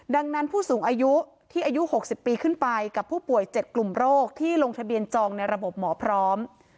ดังนั้นผู้สูงอายุที่อายุ๖๐ปีขึ้นไปกับผู้ป่วย๗กลุ่มโรคที่ลงทะเบียนจองในระบบหมอพร้อม